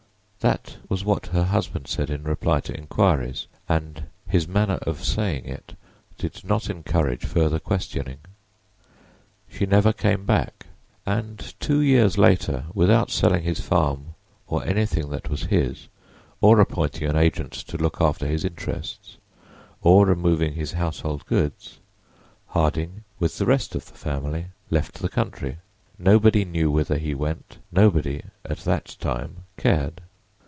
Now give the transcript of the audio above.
That was what her husband said in reply to inquiries, and his manner of saying it did not encourage further questioning. She never came back, and two years later, without selling his farm or anything that was his, or appointing an agent to look after his interests, or removing his household goods, Harding, with the rest of the family, left the country. Nobody knew whither he went; nobody at that time cared.